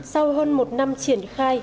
sau hơn một năm triển khai